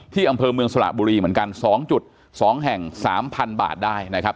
ที่อำเภอเมืองสละบุรีเหมือนกันสองจุดสองแห่งสามพันบาทได้นะครับ